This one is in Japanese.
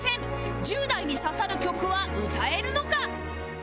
１０代に刺さる曲は歌えるのか？